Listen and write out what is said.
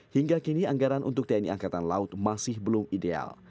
hingga kini anggaran untuk tni angkatan laut masih belum ideal